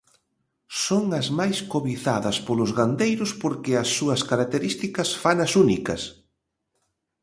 Son as máis cobizadas polos gandeiros porque as súas características fanas únicas.